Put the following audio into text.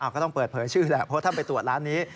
ก็ต้องเปิดเผยชื่อแหละเพราะท่านไปตรวจร้านนี้